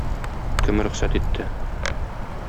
Кем рөхсәт итте?